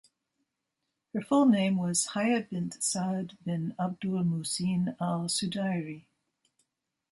Her full name was Haya bint Saad bin Abdul Muhsin Al Sudairi.